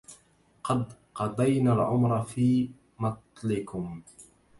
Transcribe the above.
قد قضينا العمر في مطلكم